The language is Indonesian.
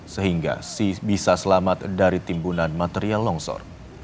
sehingga bisa selamat dari timbunan material longsor